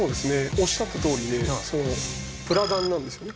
おっしゃったとおりでプラダンなんですよね